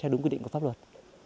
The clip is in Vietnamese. đúng quy định của pháp luật